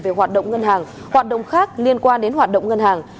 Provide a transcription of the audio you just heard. về hoạt động ngân hàng hoạt động khác liên quan đến hoạt động ngân hàng